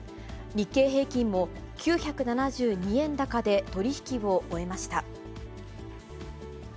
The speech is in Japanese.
日経平均も、９７２円高で取り引きを終えました。